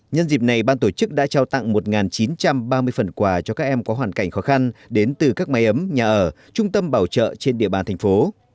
nhân dịp này ban tổ chức đã trao tặng một chín trăm ba mươi phần quà cho các em có hoàn cảnh khó khăn đến từ các máy ấm nhà ở trung tâm bảo trợ trên địa bàn thành phố